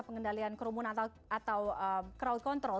pengendalian kerumunan atau crowd control